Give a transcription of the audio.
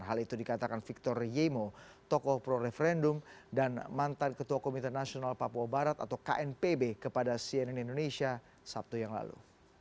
hal itu dikatakan victor yemo tokoh pro referendum dan mantan ketua komite nasional papua barat atau knpb kepada cnn indonesia sabtu yang lalu